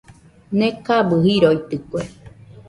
Nekabɨ jiroitɨkue.